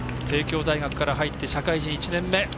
帝京大学から入って社会人１年目。